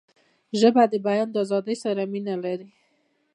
ژبه د بیان آزادۍ سره مینه لري